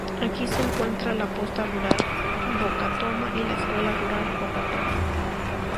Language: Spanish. Aquí se encuentra la Posta Rural Bocatoma y la Escuela Rural Bocatoma.